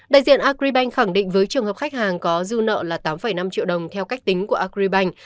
đại diện agribank khẳng định với trường hợp khách hàng có dư nợ là tám năm triệu đồng theo cách tính của agribank